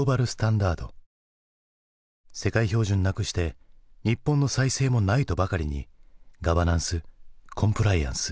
世界標準なくして日本の再生もないとばかりにガバナンスコンプライアンス。